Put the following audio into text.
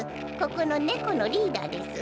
ここの猫のリーダーです。